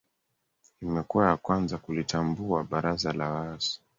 imekuwa ya kwanza kulitambuwa baraza la waasi